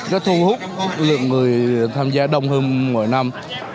nó thu hút lượng người tham gia đông hơn mỗi năm